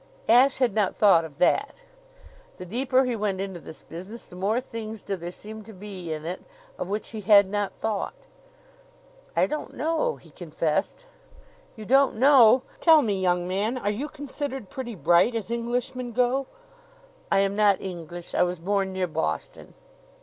Ashe had not thought of that. The deeper he went into this business the more things did there seem to be in it of which he had not thought. "I don't know," he confessed. "You don't know! Tell me, young man, are you considered pretty bright, as Englishmen go?" "I am not English. I was born near Boston."